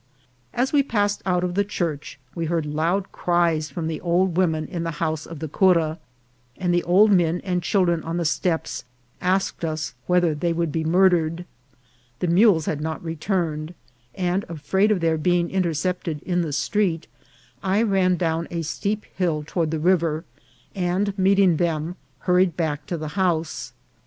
As we passed out of the church, we heard loud cries from the old women in the house of the cura ; and the old men and children on the steps asked us whether they would be murdered. SURRENDER. 75 The mules had not returned, and, afraid of their being intercepted in the street, I ran down a steep hill toward the river, and meeting them, hurried back to the house.